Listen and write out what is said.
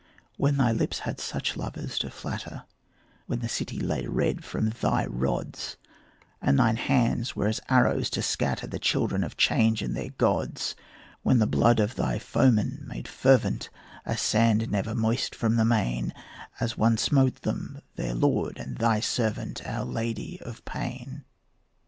When thy lips had such lovers to flatter; When the city lay red from thy rods, And thine hands were as arrows to scatter The children of change and their gods; When the blood of thy foemen made fervent A sand never moist from the main, As one smote them, their lord and thy servant, Our Lady of Pain.